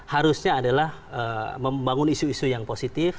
harusnya adalah membangun isu isu yang positif